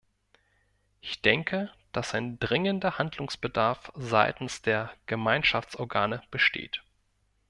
Ich denke, dass ein dringender Handlungsbedarf seitens der Gemeinschaftsorgane besteht.